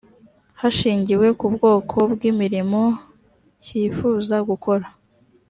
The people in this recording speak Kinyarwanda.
hashingiwe ku bwoko bw imirimo cyifuza gukora